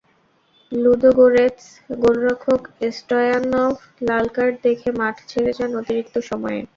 Ludogorets গোলরক্ষক স্টয়ানভ লাল card দেখে মাঠ ছেড়ে যান অতিরিক্ত সময়ে।